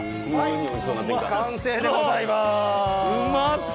完成でございます。